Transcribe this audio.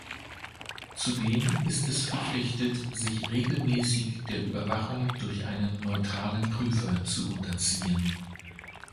Zudem ist es verpflichtet, sich regelmäßig der Überwachung durch einen neutralen Prüfer zu unterziehen.